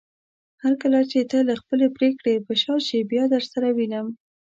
هرکله چې ته له خپلې پریکړې په شا شې بيا درسره وينم